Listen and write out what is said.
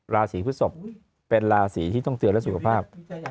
ราศีพฤศพเป็นราศีที่ต้องเตือนและสุขภาพ